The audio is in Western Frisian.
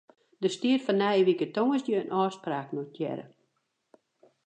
Der stiet foar nije wike tongersdei in ôfspraak notearre.